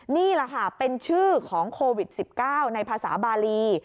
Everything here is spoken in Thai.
นี่แหละค่ะเป็นชื่อของโควิด๑๙ในภาษาบาลี